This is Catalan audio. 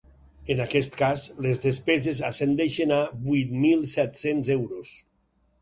En aquest cas, les despeses ascendeixen a vuit mil set-cents euros.